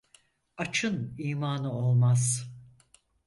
Açın imanı olmaz.